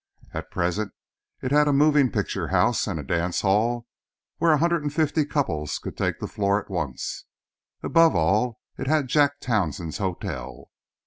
At present it had a moving picture house and a dance hall where a hundred and fifty couples could take the floor at once; above all, it had Jack Townsend's hotel.